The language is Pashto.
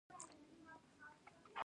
د ژبې وده باید د سیند د اوبو په څیر وي.